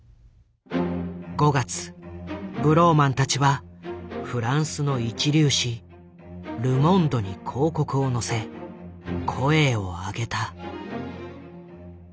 ５月ブローマンたちはフランスの一流紙「ル・モンド」に広告を載せ声を上げた。